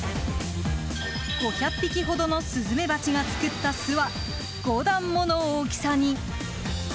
５００匹ほどのスズメバチが作った巣は５段もの大きさに。